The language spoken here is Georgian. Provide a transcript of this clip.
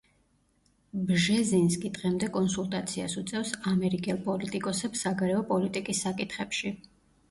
ბჟეზინსკი დღემდე კონსულტაციას უწევს ამერიკელ პოლიტიკოსებს საგარეო პოლიტიკის საკითხებში.